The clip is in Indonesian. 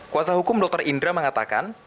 kuasa hukum dr indra mengatakan